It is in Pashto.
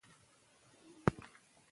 ایا په ناول کې د نورو قومونو یادونه شوې ده؟